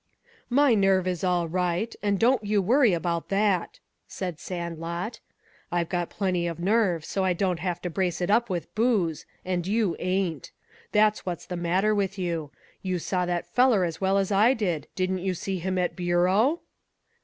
"My nerve is all right, and don't you worry about that," said Sandlot. "I've got plenty of nerve so I don't have to brace it up with booze, and you ain't. That's what's the matter with you. You saw that feller as well as I did. Didn't you see him at Bureau?"